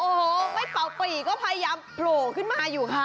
โอ้โหไม่เป่าปีก็พยายามโผล่ขึ้นมาอยู่ค่ะ